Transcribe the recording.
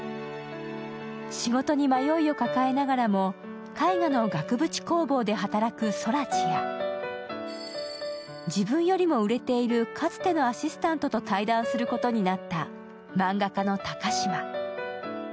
仕事に迷いを抱えながらも絵画の額縁工房で働く空知や、自分よりも売れているかつてのアシスタントと対談することになった漫画家のタカシマ。